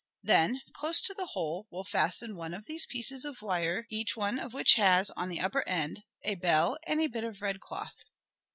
Then, close to the hole, we'll fasten one of these pieces of wire each one of which has, on the upper end, a bell and a bit of red cloth.